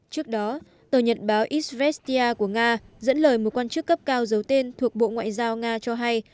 trước đó tờ nhận báo izvestia của nga dẫn lời một quan chức cấp cao giấu tên thuộc bộ ngoại giao nga cho hay